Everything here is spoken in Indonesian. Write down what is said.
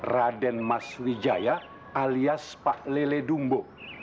raden mas wijaya alias pak lele dumbo